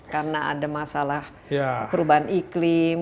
karena ada masalah perubahan iklim